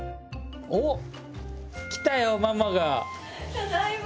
ただいま。